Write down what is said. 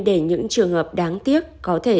để những trường hợp đáng tiếc có thể